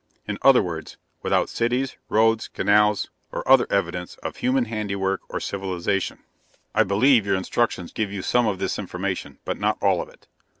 In other words, without cities, roads, canals, or other evidence of human handiwork or civilization. "I believe your instructions give you some of this information, but not all of it.